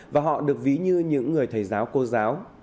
và họ được ví như những người thầy giáo cô giáo